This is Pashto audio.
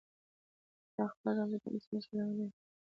ده خپله رابطه ورسره شلولې ده